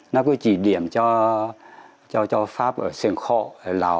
nó cứ chỉ điểm cho pháp ở sơn khọ ở lào